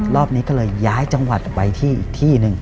รอบนี้ก็เลยย้ายจังหวัดไปที่อีกที่หนึ่ง